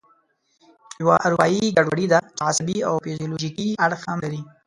یوه اروایي ګډوډي ده چې عصبي او فزیولوژیکي اړخ هم لري.